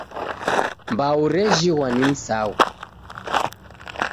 Mbau rejighwa ni msaghu